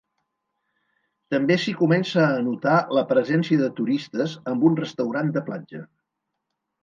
També s'hi comença a notar la presència de turistes, amb un restaurant de platja.